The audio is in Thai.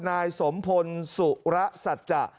นายสมพลสุระสัจจะ